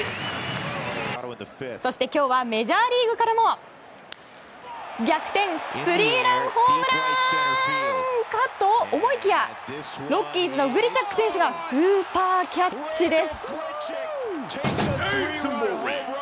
そして今日はメジャーリーグからも。逆転スリーランホームランかと思いきやロッキーズのグリチャック選手がスーパーキャッチです。